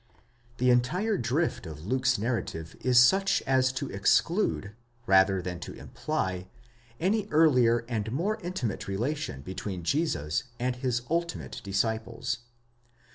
The entire drift of Luke's narrative is such as to exclude, rather than to imply, any earlier and more intimate relation between Jesus and his ultimate disciples.